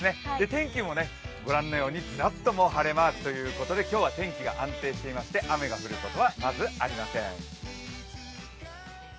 天気も御覧のようにずらっと晴れマークということで今日は天気が安定していまして、雨が降ることはまずありません。